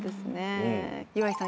岩井さん